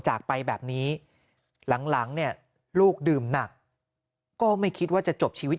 จากไปแบบนี้หลังเนี่ยลูกดื่มหนักก็ไม่คิดว่าจะจบชีวิต